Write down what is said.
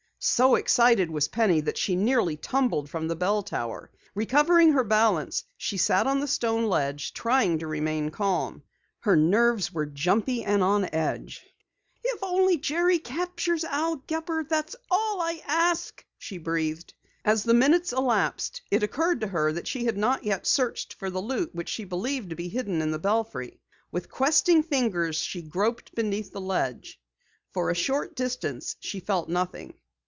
So excited was Penny that she nearly tumbled from the bell tower. Recovering her balance, she sat on the stone ledge, trying to remain calm. Her nerves were jumpy and on edge. "If only Jerry captures Al Gepper that's all I ask!" she breathed. As the minutes elapsed, it occurred to her that she had not yet searched for the loot which she believed to be hidden in the belfry. With questing fingers she groped beneath the ledge. For a short distance she felt nothing.